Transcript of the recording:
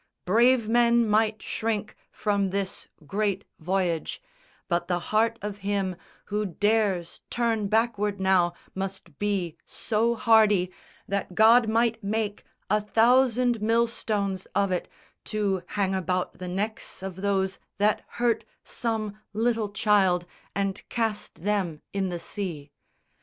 Brave men might shrink From this great voyage; but the heart of him Who dares turn backward now must be so hardy That God might make a thousand millstones of it To hang about the necks of those that hurt Some little child, and cast them in the sea.